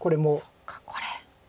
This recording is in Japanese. そっかこれ。